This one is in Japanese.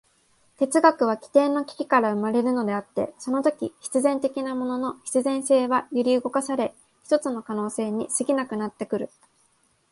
哲学は基底の危機から生まれるのであって、そのとき必然的なものの必然性は揺り動かされ、ひとつの可能性に過ぎなくなってくる。